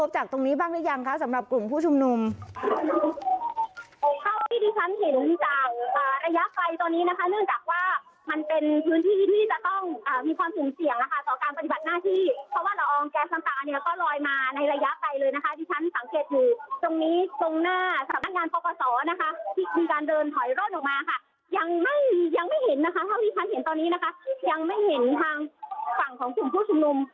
จากระยะไฟตัวนี้นะคะเนื่องจากว่ามันเป็นพื้นที่ที่จะต้องมีความสูงเสี่ยงนะคะต่อการปฏิบัติหน้าที่เพราะว่าละอองแก๊สน้ำตาเนี่ยก็ลอยมาในระยะไฟเลยนะคะที่ฉันสังเกตอยู่ตรงนี้ตรงหน้าสำนักงานพศนะคะที่มีการเดินถอยรถออกมาค่ะยังไม่ยังไม่เห็นนะคะเท่าที่ฉันเห็นตอนนี้นะคะยังไม่เห็นทางฝั่งของผู้ผู้ชนุม